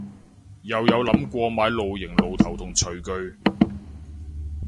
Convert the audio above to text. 又有諗過買露營爐頭同廚具